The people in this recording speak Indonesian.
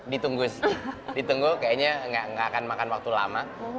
ditunggu kayaknya nggak akan makan waktu lama